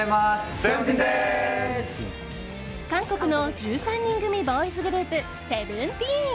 韓国の１３人組ボーイズグループＳＥＶＥＮＴＥＥＮ。